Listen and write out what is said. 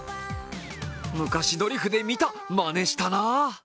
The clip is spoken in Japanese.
昔、ドリフで見た、まねしたなぁ。